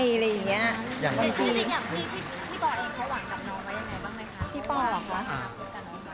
พี่ปอเองเขาหวังกับน้องไว้ยังไงบ้างนะครับ